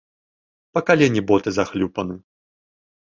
Па калені боты захлюпаны.